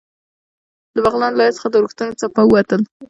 له بغلان ولایت څخه د اورښتونو څپه ووتل.